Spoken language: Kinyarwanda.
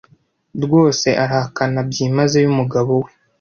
rwose arahakana byimazeyo umugabo we.